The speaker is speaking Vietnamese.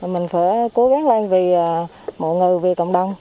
mình phải cố gắng lên vì mọi người vì cộng đồng